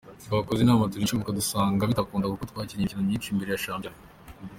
Twakoze inama tureba igikoshoka dusanga bitakunda kuko twakinnye imikino myinshi mbere ya shampiyona.